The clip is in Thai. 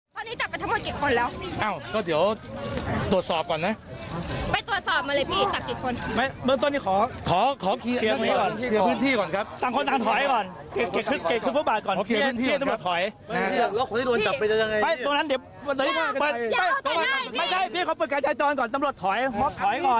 ไม่ใช่พี่ขอเปิดการใช้จรก่อนสำรวจถอยก่อน